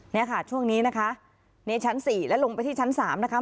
เนี่ยค่ะช่วงนี้นะคะนี่ชั้น๔แล้วลงไปที่ชั้น๓นะคะ